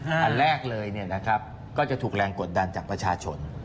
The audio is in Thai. อันแรกเลยก็จะถูกแรงกดดันจากประชาชน